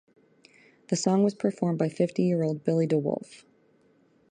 The song was performed by fifty-year-old Billy De Wolfe.